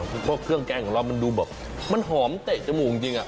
เพราะเครื่องแกงของเรามันดูแบบมันหอมเตะจมูกจริง